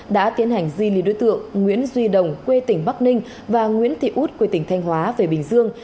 đã tiến hành di lý đối tượng nguyễn duy đồng quê tỉnh bắc ninh và nguyễn thị út quê tỉnh thanh hóa về bình dương